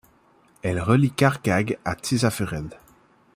Elle relie Karcag à Tiszafüred.